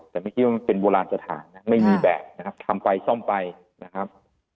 แต่ไม่คิดว่ามันเป็นโบราณสถานนะไม่มีแบบนะครับทำไปซ่อมไปนะครับ